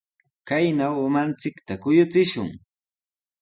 Kaynaw umanchikta kuyuchishun.